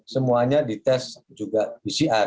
semuanya di tes juga pcr